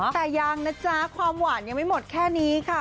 แต่ยังนะจ๊ะความหวานยังไม่หมดแค่นี้ค่ะ